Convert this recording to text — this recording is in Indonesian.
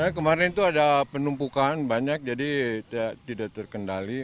kemarin itu ada penumpukan banyak jadi tidak terkendali